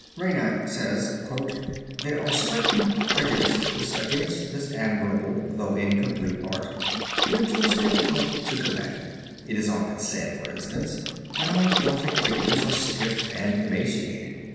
{opp107} CATHEDRAL (RHEIMS) Reinach says: "There are certain prejudices against this admirable, though incomplete, art which it is difficult to combat. It is often said, for instance, that all Gothic figures are stiff and emaciated.